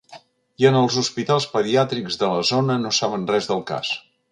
I en els hospitals pediàtrics de la zona no saben res del cas.